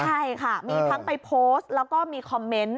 ใช่ค่ะมีทั้งไปโพสต์แล้วก็มีคอมเมนต์